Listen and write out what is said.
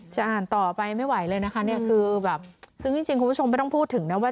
อ่านต่อไปไม่ไหวเลยนะคะเนี่ยคือแบบซึ่งจริงคุณผู้ชมไม่ต้องพูดถึงนะว่า